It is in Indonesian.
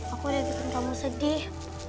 aku udah bikin kamu sedih